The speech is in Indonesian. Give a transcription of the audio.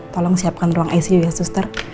tolong siapkan ruang icu ya suster